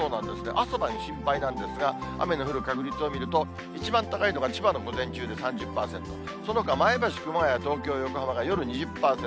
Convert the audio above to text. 朝晩、心配なんですが、雨の降る確率を見ると、一番高いのが千葉の午前中で３０％、そのほか、前橋、熊谷、東京、横浜が夜２０％。